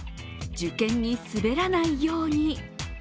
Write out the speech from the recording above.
受験に滑らないように。